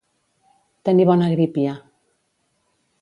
Tenir bona grípia.